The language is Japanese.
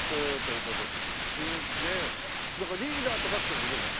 リーダーとかっていうのはいるの？